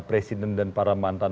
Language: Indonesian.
presiden dan para mantan